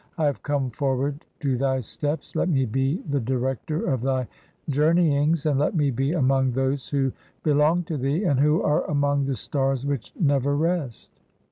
[I have come forward to thy steps), let me be the "director (3) of thy journeyings and let me be among those who "belong to thee and who are among the stars which never rest.